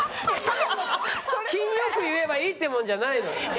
品良く言えばいいってもんじゃないのよ。